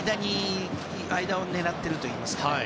間を狙っているというか。